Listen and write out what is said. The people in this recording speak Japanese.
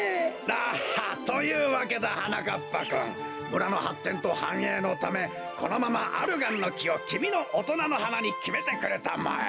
だはっ！というわけだはなかっぱくん村のはってんとはんえいのためこのままアルガンのきをきみのおとなのはなにきめてくれたまえ。